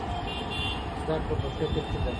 زده کړه په فکر کې ده.